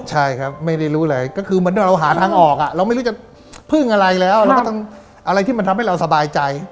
ใช่ครับไม่ได้รู้อะไรก็คือเหมือนเราหาทางออกเราไม่รู้จะพึ่งอะไรแล้วเราก็ต้องอะไรที่มันทำให้เราสบายใจ